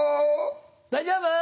大丈夫？